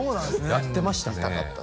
やってましたね